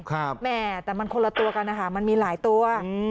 แม่แต่มันคนละตัวกันนะคะมันมีหลายตัว